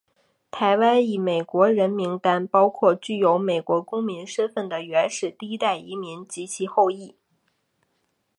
台湾裔美国人名单包括具有美国公民身份的原始第一代移民及其后裔。